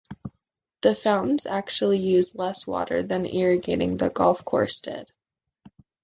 The fountains actually use less water than irrigating the golf course did.